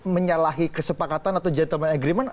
menyalahi kesepakatan atau gentleman agreement